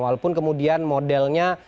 walaupun kemudian modelnya